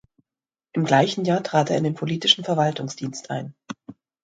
Im gleichen Jahr trat er in den politischen Verwaltungsdienst ein.